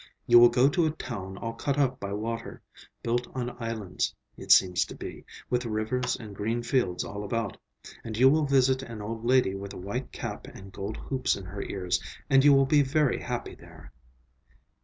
You will go to a town all cut up by water; built on islands, it seems to be, with rivers and green fields all about. And you will visit an old lady with a white cap and gold hoops in her ears, and you will be very happy there."